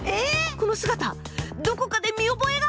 この姿どこかで見覚えが。